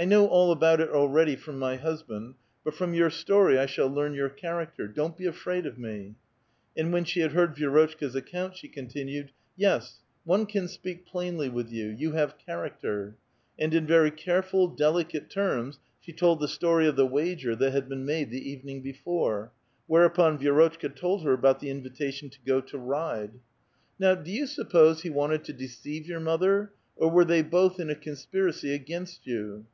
I know all about it already from my husband, but from your story I shall learn your character. Don't be afraid of me." And when she had heard Vi^rotchka's account, she continued :—'' Yes, one can speak plainly with you ; you have char acter." And in verv careful, delicate terms she told the story of the wager that had been made the evening before ; whereupon V'i^rotchka told her about the invitation to go to ride. A VITAL QUESTION. 33 *' Now do .you suppose he wanted to deceive .your mother, or were they both iu a conspiracy against you